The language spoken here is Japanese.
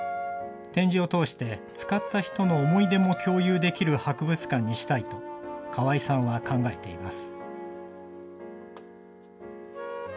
展示を通して、使った人の思い出も共有できる博物館にしたいと、川井さんは考えています。